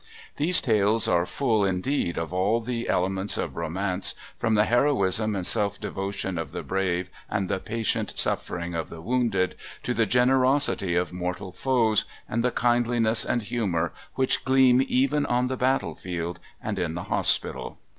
These tales are full, indeed, of all the elements of romance, from the heroism and self devotion of the brave and the patient suffering of the wounded, to the generosity of mortal foes and the kindliness and humour which gleam even on the battle field and in the hospital.